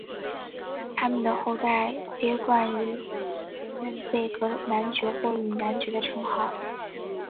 他们的后代皆冠以伦嫩贝格男爵或女男爵的称号。